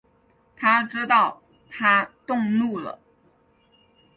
他知道她动怒了